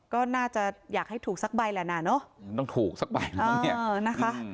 ก็น่าจะอยากให้ถูกสักใบแหละน่ะเนอะต้องถูกสักใบอ่านะคะ